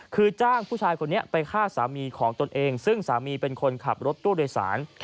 คือจ้างผู้ชายคนนี้ไปฆ่าสามีของตนเองซึ่งสามีเป็นคนขับรถตู้โดยสาร